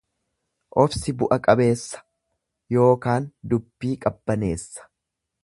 Obsi bu'a qabeessa ykn dubbii qabbaneessa.